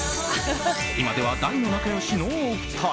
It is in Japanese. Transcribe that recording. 今では大の仲良しのお二人。